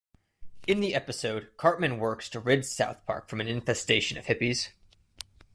In the episode, Cartman works to rid South Park from an infestation of hippies.